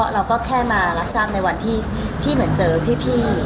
เราก็แค่มารับทราบในวันที่เหมือนเจอพี่